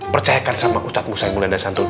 percayakan sama ustadz musa yang mulia dan santun